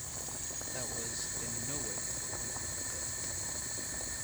That was in no way the point of the film.